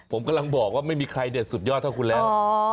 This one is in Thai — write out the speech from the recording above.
ผมกำลังบอกว่าไม่มีใครเนี่ยสุดยอดเท่าคุณแล้ว